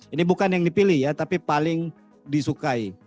ini bukan yang dipilih ya tapi paling disukai